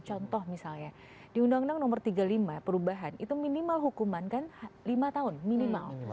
contoh misalnya di undang undang nomor tiga puluh lima perubahan itu minimal hukuman kan lima tahun minimal